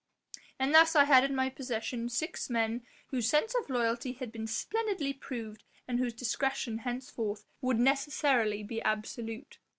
And thus I had in my possession six men whose sense of loyalty had been splendidly proved and whose discretion henceforth would necessarily be absolute."